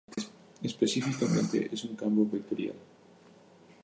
Específicamente, es un campo vectorial.